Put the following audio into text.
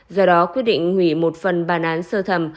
do đó quyết định hủy một phần bản án sơ thẩm